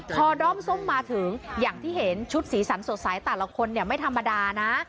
พอด้อมส้มมาถึงอย่างที่เห็นชุดสีสันสดใสแต่ละคนเนี่ยไม่ธรรมดานะ